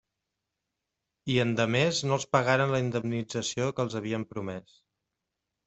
I endemés no els pagaren la indemnització que els havien promès.